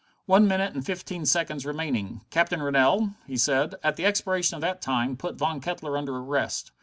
"One minute and fifteen seconds remaining. Captain Rennell," he said. "At the expiration of that time, put Mr. Von Kettler under arrest.